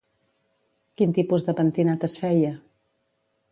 Quin tipus de pentinat es feia?